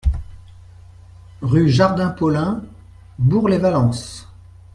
Rue Jardin Paulin, Bourg-lès-Valence